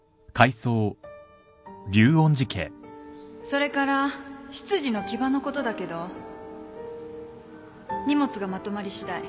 それから執事の木場のことだけど荷物がまとまりしだい